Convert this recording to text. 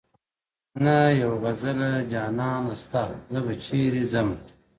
نه یو غزله جانانه سته زه به چیري ځمه-